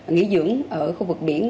nghỉ dưỡng ở khu vực biển